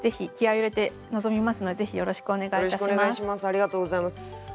ありがとうございます。